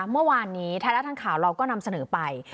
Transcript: เมื่อวานนี้ไทยรัฐทางข่าวเราก็นำเสนอไป